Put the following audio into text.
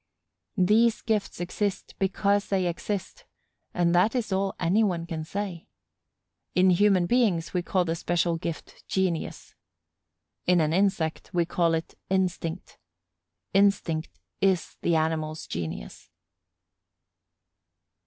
These gifts exist because they exist, and that is all any one can say. In human beings, we call the special gift genius. In an insect, we call it instinct. Instinct is the animal's genius.